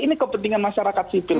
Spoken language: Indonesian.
ini kepentingan masyarakat sipil